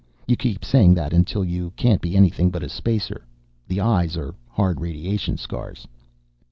You keep saying that until you can't be anything but a spacer. The eyes are hard radiation scars."